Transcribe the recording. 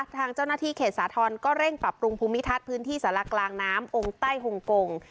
ทางเจ้าหน้าที่เขตสาธรณ์ก็เร่งปรับปรุงภูมิทัศน์พื้นที่สารกลางน้ำองค์ใต้ฮงกง